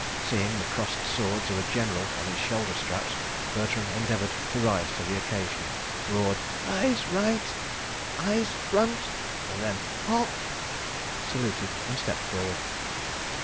Seeing the crossed swords of a General on his shoulder straps, Bertram endeavoured to rise to the occasion, roared: "Eyes right," "Eyes front," and then "Halt," saluted and stepped forward.